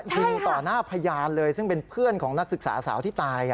ยิงต่อหน้าพยานเลยซึ่งเป็นเพื่อนของนักศึกษาสาวที่ตาย